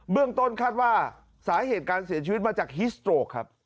เรื่องต้นคาดว่าสาเหตุการเสียชีวิตมาจากฮิสโตรกครับ